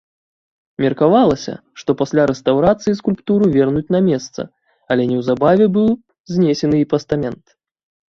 Меркавалася, што пасля рэстаўрацыі скульптуру вернуць на месца, але неўзабаве быў знесены і пастамент.